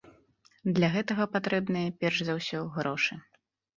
Для гэтага патрэбныя, перш за ўсё, грошы.